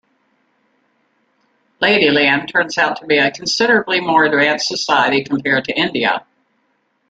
Ladyland turns out to be a considerably more advanced society compared to India.